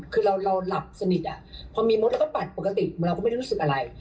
คือเราหลับสนิทพอมีมดเราก็ปัดปกติเราก็ไม่ได้รู้สึกอะไร